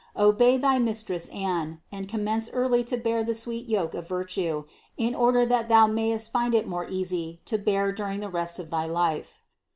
Obey thy Mistress Anne and commence early to bear the sweet yoke of virtue, in order that thou mayest find it more easy to bear during the rest of thy life" (Thren.